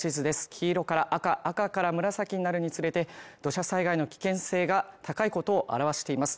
黄色から赤赤から紫になるにつれて土砂災害の危険性が高いことを表しています。